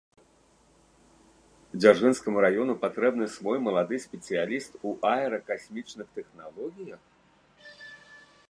Дзяржынскаму раёну патрэбны свой малады спецыяліст у аэракасмічных тэхналогіях?